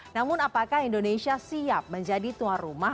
namun apakah indonesia siap menjadi tuan rumah